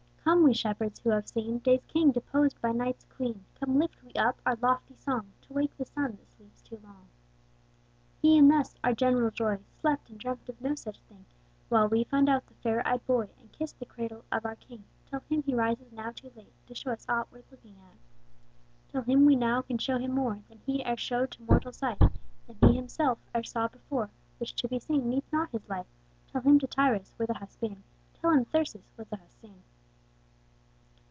COME we shepherds who have seen Day's king deposed by Night's queen. Come lift we up our lofty song, To wake the Sun that sleeps too long. He in this our general joy, Slept, and dreamt of no such thing While we found out the fair ey'd boy, And kissed the cradle of our king; Tell him he rises now too late, To show us aught worth looking at. Tell him we now can show him more Than he e'er show'd to mortal sight, Than he himself e'er saw before, Which to be seen needs not his light: Tell him Tityrus where th' hast been, Tell him Thyrsis what th' hast seen.